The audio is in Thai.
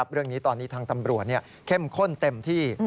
เรื่องนี้ตอนนี้ทางตำรวจเข้มข้นเต็มที่